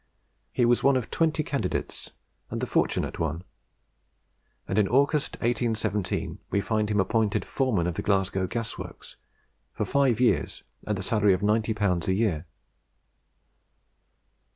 He was one of twenty candidates, and the fortunate one; and in August, 1817, we find him appointed foreman of the Glasgow Gasworks, for five years, at the salary of 90L. a year.